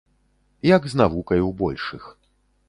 Як з навукай у большых.